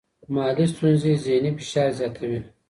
مالي ستونزې ذهنی فشار زیاتوي.